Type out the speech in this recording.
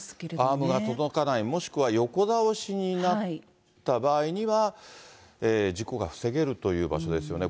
アームが届かない、もしくは横倒しになった場合には、事故が防げるという場所ですよね。